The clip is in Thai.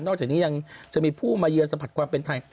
นอกจากนี้ยังจะมีผู้มาเยินสะพัดความเป็นไทย